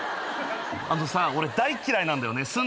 あのさ俺大嫌いなんだよね。